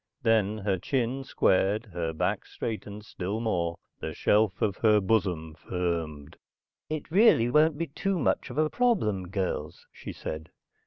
Then her chin squared, her back straightened still more, the shelf of her bosom firmed. "It really won't be too much of a problem, girls," she said.